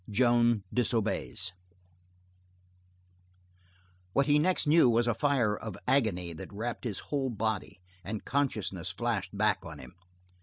Joan Disobeys What he next knew was a fire of agony that wrapped his whole body and consciousness flashed back on him.